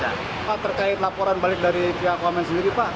pak terkait laporan balik dari pihak wamen sendiri pak